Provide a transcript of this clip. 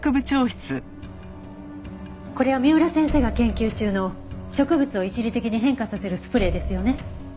これは三浦先生が研究中の植物を一時的に変化させるスプレーですよね。